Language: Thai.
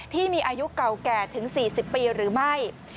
ที่มีอายุเก่าแก่ถึง๔๐ปีหรือไม่